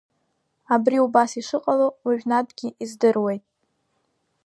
Абри убас ишыҟало уажәнатәгьы издыруеит.